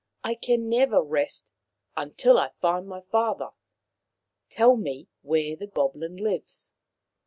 " I can never rest again until I find my father. Tell me where the goblin lives.'